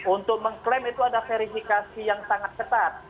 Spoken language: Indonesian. untuk mengklaim itu ada verifikasi yang sangat ketat